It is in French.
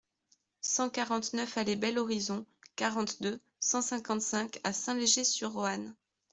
cent quarante-neuf allée Bel Horizon, quarante-deux, cent cinquante-cinq à Saint-Léger-sur-Roanne